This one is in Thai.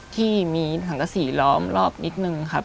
ที่มีสังกษีล้อมรอบนิดนึงครับ